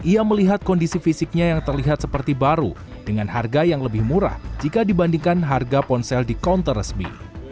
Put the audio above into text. ia melihat kondisi fisiknya yang terlihat seperti baru dengan harga yang lebih murah jika dibandingkan harga ponsel di counter resmi